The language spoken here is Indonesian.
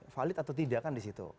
valid atau tidak kan disitu